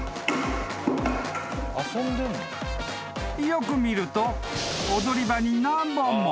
［よく見ると踊り場に何本も］